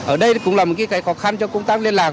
ở đây cũng là một cái khó khăn cho công tác liên lạc